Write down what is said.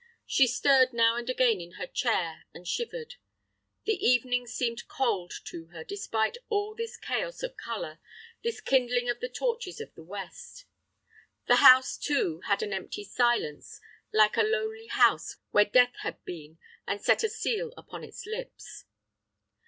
She stirred now and again in her chair, and shivered. The evening seemed cold to her despite all this chaos of color, this kindling of the torches of the west. The house, too, had an empty silence, like a lonely house where death had been and set a seal upon its lips.